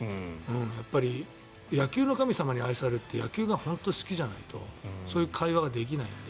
やっぱり野球の神様に愛されるって野球が本当に好きじゃないとそういう会話ができないので。